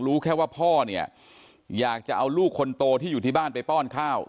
รู้แค่ว่าพ่อเนี่ยอยากจะเอาลูกคนโตที่อยู่ที่บ้านไปป้อนข้าว